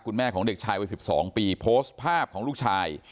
แม่ของเด็กชายวัย๑๒ปีโพสต์ภาพของลูกชาย